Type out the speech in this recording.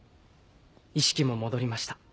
意識も戻りました。